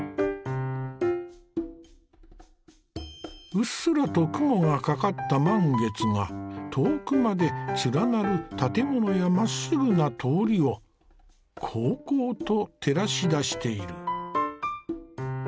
うっすらと雲がかかった満月が遠くまで連なる建物やまっすぐな通りをこうこうと照らし出している。